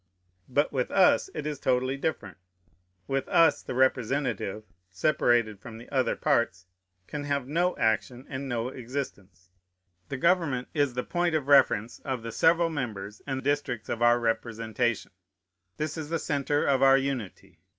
But with us it is totally different. With us the representative, separated from the other parts, can have no action and no existence. The government is the point of reference of the several members and districts of our representation. This is the centre of our unity.